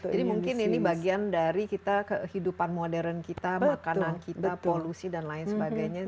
jadi mungkin ini bagian dari kehidupan modern kita makanan kita polusi dan lain sebagainya